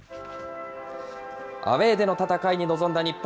アウエーでの戦いに臨んだ日本。